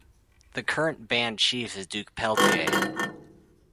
The current band chief is Duke Peltier.